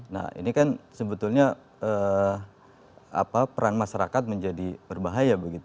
nah ini kan sebetulnya peran masyarakat menjadi berbahaya